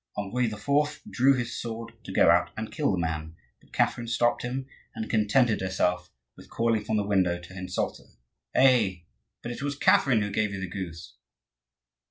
Henri IV. drew his sword to go out and kill the man; but Catherine stopped him and contented herself with calling from the window to her insulter:— "Eh! but it was Catherine who gave you the goose."